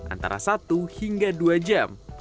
antara satu hingga dua jam